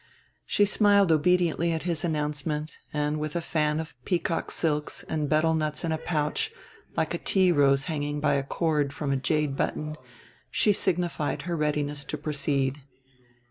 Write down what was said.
She smiled obediently at his announcement, and, with a fan of peacock silks and betel nuts in a pouch like a tea rose hanging by a cord from a jade button, she signified her readiness to proceed.